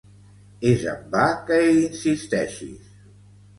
És en va que hi insisteixis.